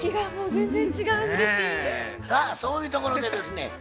さあそういうところでですね